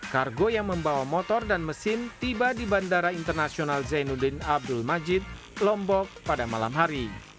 kargo yang membawa motor dan mesin tiba di bandara internasional zainuddin abdul majid lombok pada malam hari